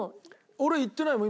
俺言ってないもん。